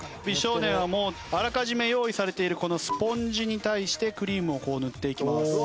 美少年はあらかじめ用意されているこのスポンジに対してクリームを塗っていきます。